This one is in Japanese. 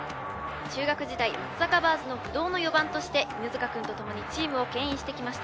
中学時代松阪バーズの不動の４番として犬塚くんと共にチームを牽引してきました